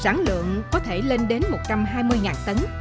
sản lượng có thể lên đến một trăm hai mươi tấn